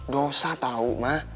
dosa tau ma